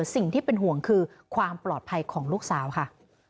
สิ่งที่เป็นห่วงคือความปลอดภัยของลูกสาวค่ะ